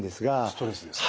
ストレスですね。